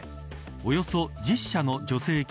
およそ１０社の助成金